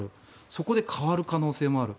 そこで変わる可能性もある。